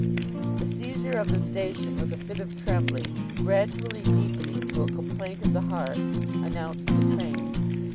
The seizure of the station with a fit of trembling, gradually deepening to a complaint of the heart, announced the train.